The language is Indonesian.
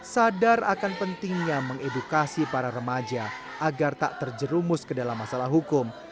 sadar akan pentingnya mengedukasi para remaja agar tak terjerumus ke dalam masalah hukum